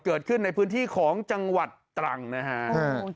เกิดขึ้นในพื้นที่ของจังหวัดตรังนะฮะ